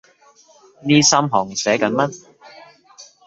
呢三行寫緊乜？